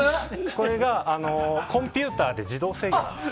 これが、コンピューターで自動制御なんです。